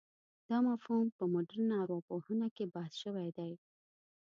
دا مفهوم په مډرنه ارواپوهنه کې بحث شوی دی.